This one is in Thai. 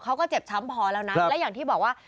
เขาก็เจ็บช้ำพอแล้วนะและอย่างที่บอกว่า